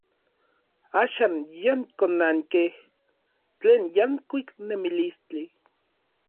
Axan yankonankej tlen yankuik nemilistli.